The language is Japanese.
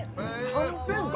はんぺんか